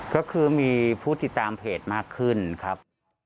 ก็คือมีผู้ติดตามเพจมากขึ้นครับ